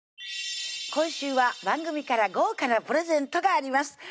今週は番組から豪華なプレゼントがあります